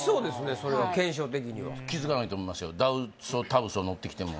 それは検証的には気付かないと思いますよ